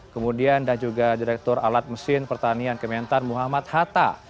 kemudian dan juga direktur alat mesin pertanian kementan muhammad hatta